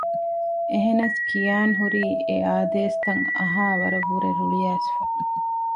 އެހެނަސް ކިޔާންހުރީ އެއާދޭސްތައް އަހާވަރަށްވުރެ ރުޅިއައިސްފަ